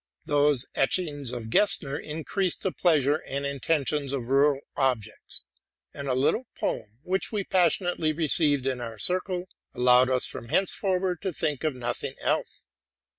Those etchings by Gesner increased the pleasure and in terest in rural objects ; and a little poem, which we passion ately received into our circle, allowed us from henceforward to think of nothing else.